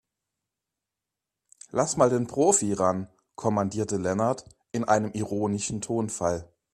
Lass mal den Profi ran, kommandierte Lennart in einem ironischen Tonfall.